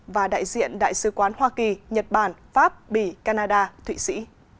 và đại diện đại sứ quán hoa kỳ nhật bản pháp bỉ canada thụy sĩ